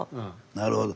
なるほど。